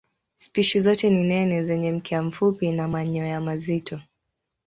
Spishi zote ni nene zenye mkia mfupi na manyoya mazito.